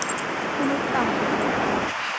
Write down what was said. มนุษย์ต่างดาว